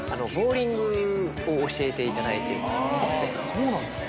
そうなんですか。